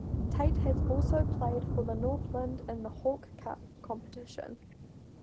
Tait has also played for the Northland in the Hawke Cup competition.